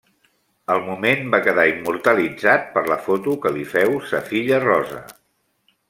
El moment va quedar immortalitzat per la foto que li féu sa filla Rosa.